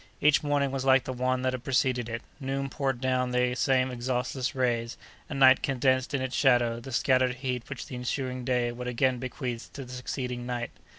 Each morning was like the one that had preceded it; noon poured down the same exhaustless rays, and night condensed in its shadow the scattered heat which the ensuing day would again bequeath to the succeeding night.